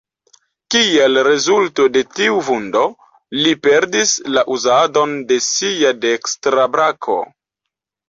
Kiel rezulto de tiu vundo, li perdis la uzadon de sia dekstra brako.